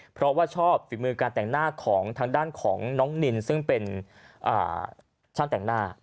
เพราะว่าชอบฝีกรมงานต่างด้านของน้องนิ้นซึ่งช้างแต่งหน้า